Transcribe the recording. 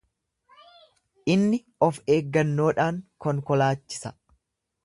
Inni of eeggannoodhaan konkolaachisa.